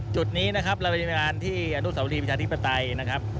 จุดนี้นะครับเราบริการที่อรุณสวทีวิชาธิปไตยนะครับ